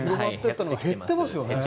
減ってますよね。